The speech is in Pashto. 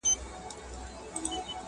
څومره غښتلی څومره بېباکه،